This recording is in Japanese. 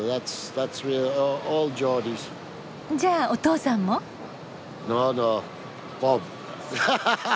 じゃあおとうさんも？ハハハ！